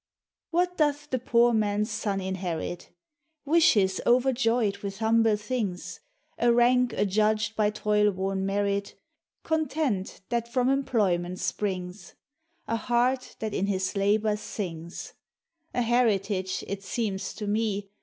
What doth the poor man's son inherit? Wishes o'erjoyed with humble things, A rank adjudged by toil worn merit, Content that from employment springs. A heart that in his labor sings; A heritage, it seems to me.